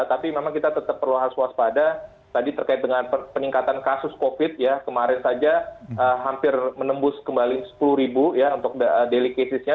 tapi memang kita tetap perlu hasuas pada tadi terkait dengan peningkatan kasus covid ya kemarin saja hampir menembus kembali sepuluh ribu ya untuk daily casesnya